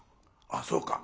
あっそうか